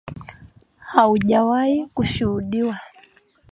haujawahi kushuhudiwa